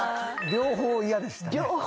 両方嫌でしたね。